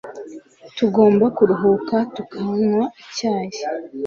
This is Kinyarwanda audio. Tugomba kuruhuka tukanywa icyayi.